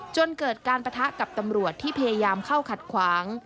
จนเกิดการปะทะกับตำรวจที่พยายามเข้าขัดขวาง